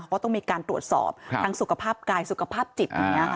ก็ต้องมีการตรวจสอบทั้งสุขภาพกายสุขภาพจิต